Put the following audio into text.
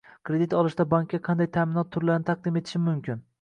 Kredit olishda bankka qanday ta’minot turlarini taqdim etishim mumkin?